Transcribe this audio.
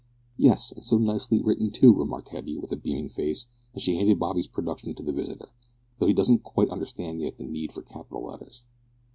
"Yes, and so nicely written, too," remarked Hetty, with a beaming face, as she handed Bobby's production to the visitor, "though he doesn't quite understand yet the need for capital letters."